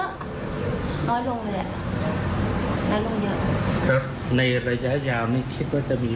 จะปรับเปลี่ยนยังไงมั้ย